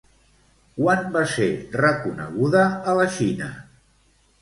Quan va ser reconeguda a la Xina?